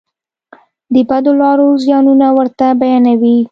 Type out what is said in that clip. د بدو لارو زیانونه ورته بیانوي.